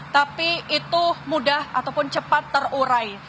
tapi itu mudah ataupun cepat terurai